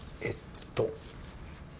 えっと。